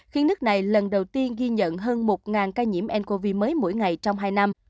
khiến nước này lần đầu tiên ghi nhận hơn một ca nhiễm ncov mới mỗi ngày trong hai năm